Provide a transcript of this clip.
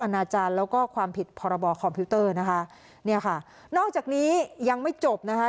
นะคะเนี้ยค่ะนอกจากนี้ยังไม่จบนะคะ